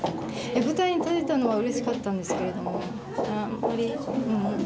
舞台に立てたのはうれしかったんですけれどもあんまりうん。